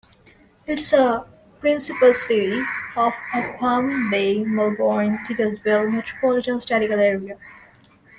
It is a principal city of the Palm Bay-Melbourne-Titusville Metropolitan Statistical Area.